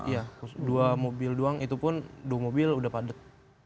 iya dua mobil doang itu pun dua mobil udah padat